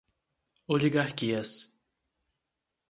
Oligarquias